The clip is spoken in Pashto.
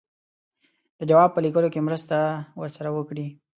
د جواب په لیکلو کې مرسته ورسره وکړي.